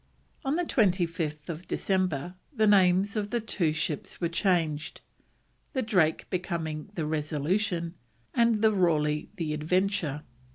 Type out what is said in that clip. On 25th December the names of the two ships were changed, the Drake becoming the Resolution, and the Raleigh the Adventure.